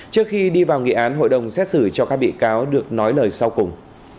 trước khi đi vào nghị án hội đồng xét xử cho các bị cáo được nói lời sau cùng